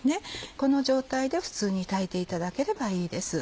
この状態で普通に炊いていただければいいです。